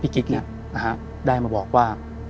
กิ๊กได้มาบอกว่า